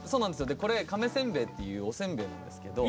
これ亀せんべいっていうおせんべいなんですけど。